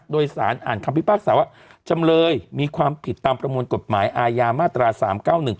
โดยสารอ่านคำพิพากษาว่าจำเลยมีความผิดตามประมวลกฎหมายอาญามาตราสามเก้าหนึ่ง